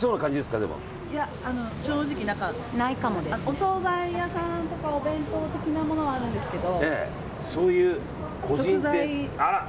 お総菜屋さんとかお弁当的なものはあるんですけど。